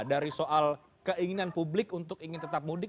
dari soal keinginan publik untuk ingin tetap mudik